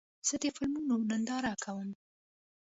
زه د فلمونو ننداره کوم.